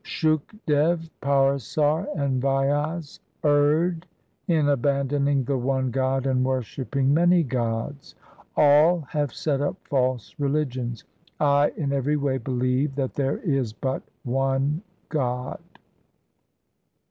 Shukdev, Parasar, and Vyas erred in abandoning the one God and worshipping many gods. 1 All have set up false religions ; I in every way believe that there is but one God.